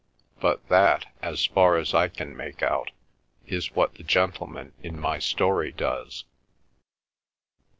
But that—as far as I can make out—is what the gentleman in my story does."